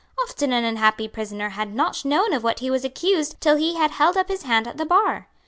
Often an unhappy prisoner had not known of what he was accused till he had held up his hand at the bar.